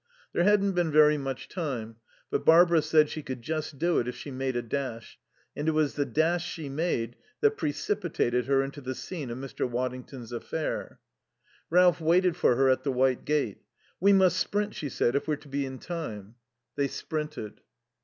There hadn't been very much time, but Barbara said she could just do it if she made a dash, and it was the dash she made that precipitated her into the scene of Mr. Waddington's affair. Ralph waited for her at the white gate. "We must sprint," she said, "if we're to be in time." They sprinted.